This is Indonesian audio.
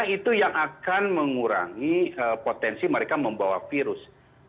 itu yang akan mengurangi potensi mereka membawa virus